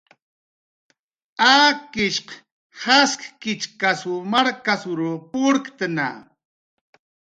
Akishq jaskichkasw markasrw purktna